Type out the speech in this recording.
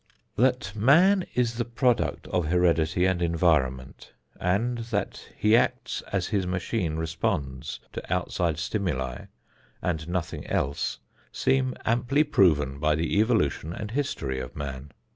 That man is the product of heredity and environment and that he acts as his machine responds to outside stimuli and nothing else, seem amply proven by the evolution and history of man.